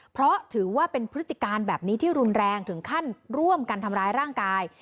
เพราะถือว่าเป็นพฤติการแบบนี้ที่รุนแรงถึงขั้นร่วมกันทำร้ายร่างกาย